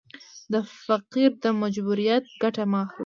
د فقیر د مجبوریت ګټه مه اخله.